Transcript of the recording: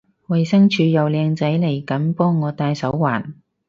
衛生署有靚仔嚟緊幫我戴手環